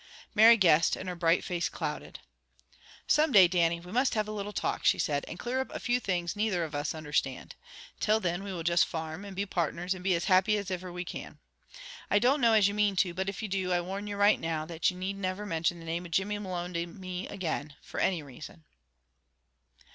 Mary guessed, and her bright face clouded. "Some day, Dannie, we must have a little talk," she said, "and clear up a few things neither of us understand. 'Til thin we will just farm, and be partners, and be as happy as iver we can. I don't know as you mean to, but if you do, I warn you right now that you need niver mintion the name of Jimmy Malone to me again, for any reason."